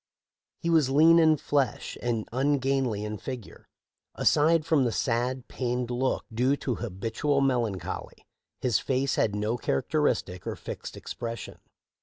He was lean in flesh and ungainly in figure. Aside from the sad, pained look due to habitual melancholy, his face had no characteristic or fixed expression.